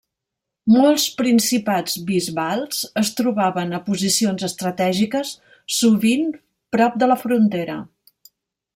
Molts principats bisbals es trobaven a posicions estratègiques, sovint prop de la frontera.